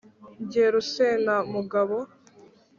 Jye Rusenamugabo